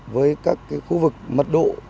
với các khu vực mật độ